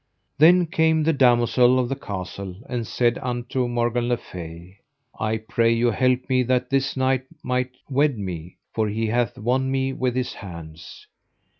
Then came the damosel of the castle, and said unto Morgan le Fay: I pray you help me that this knight might wed me, for he hath won me with his hands.